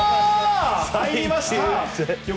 入りました。